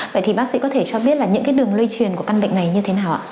vậy thì bác sĩ có thể cho biết là những cái đường lây truyền của căn bệnh này như thế nào ạ